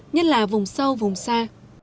nhất là vùng sâu vùng xa